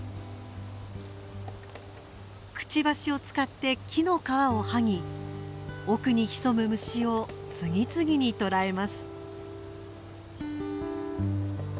くちばしを使って木の皮を剥ぎ奥に潜む虫を次々に捕えます。